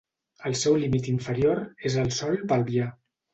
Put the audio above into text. El seu límit inferior és el sòl pelvià.